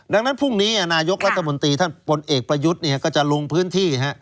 ดังนั้นพรุ่งนี้นายกรัฐมนตรีท่านพลเอกประยุทธ์ก็จะลงพื้นที่